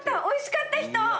おいしかった人！